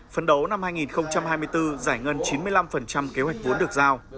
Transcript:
phấn đấu năm hai nghìn hai mươi bốn giải ngân chín mươi năm kế hoạch vốn được giao